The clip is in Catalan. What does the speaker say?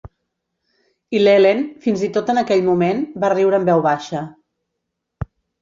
I l'Helene, fins i tot en aquell moment, va riure en veu baixa.